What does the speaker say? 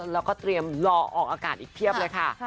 แล้วก็เตรียมรอออกอากาศอีกเพียบเลยค่ะ